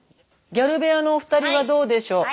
ギャル部屋のお二人はどうでしょう？